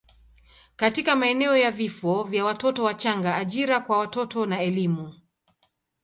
katika maeneo ya vifo vya watoto wachanga, ajira kwa watoto na elimu.